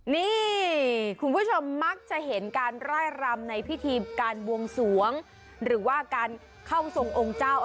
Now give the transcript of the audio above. นี่คุณผู้ชมมักจะเห็นการไล่รำในพิธีการบวงสวงหรือว่าการเข้าทรงองค์เจ้า